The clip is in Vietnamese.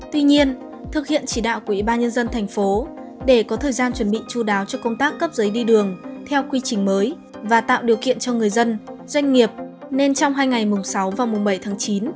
tuy nhiên thực hiện chỉ đạo của ủy ban nhân dân thành phố để có thời gian chuẩn bị chú đáo cho công tác cấp giấy đi đường theo quy trình mới và tạo điều kiện cho người dân doanh nghiệp nên trong hai ngày mùng sáu và mùng bảy tháng chín